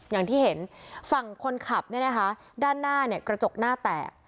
อย่างที่เห็นฝั่งคนขับเนี่ยนะคะด้านหน้าเนี่ยกระจกหน้าแตก